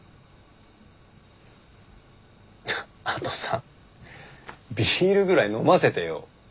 あとさビールぐらい飲ませてよ。